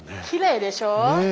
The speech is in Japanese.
きれいでしょ？